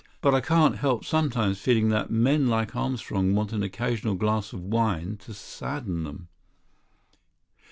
But I can't help sometimes feeling that men like Armstrong want an occasional glass of wine to sadden them."